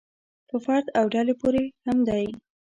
په فرد او ډلې پورې هم دی.